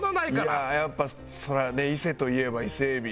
いやあやっぱそりゃね伊勢といえば伊勢海老。